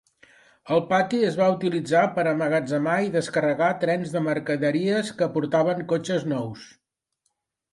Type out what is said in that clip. El pati es va utilitzar per emmagatzemar i descarregar trens de mercaderies que portaven cotxes nous.